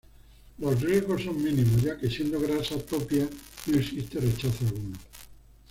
Los riesgos son mínimos ya que siendo grasa propia, no existe rechazo alguno.